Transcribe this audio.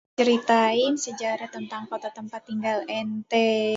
Ceritain sejarah tentang kota tempat tinggal enté